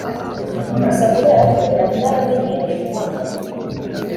Gusa kuberako ko nari naramenyereye guhangayika